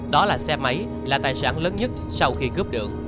đó là xe máy là tài sản lớn nhất sau khi cướp được